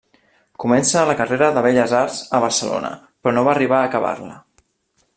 Comença la carrera de Belles Arts a Barcelona però no va arribar a acabar-la.